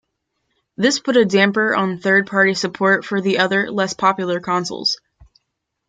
This put a damper on third party support for the other, less popular consoles.